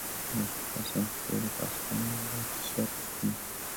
من از تو خواستم که فعل خواستن را صرف کنی